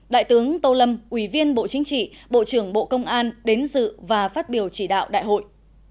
đại tướng tô lâm ủy viên bộ chính trị bộ trưởng bộ công an đến dự và phát biểu chỉ đạo đại hội